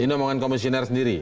ini omongan komisioner sendiri